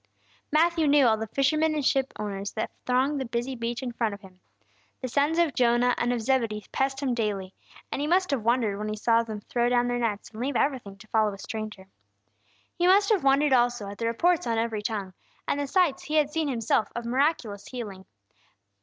Matthew knew all the fishermen and ship owners that thronged the busy beach in front of him. The sons of Jonah and of Zebedee passed him daily; and he must have wondered when he saw them throw down their nets and leave everything to follow a stranger. He must have wondered also at the reports on every tongue, and the sights he had seen himself of miraculous healing.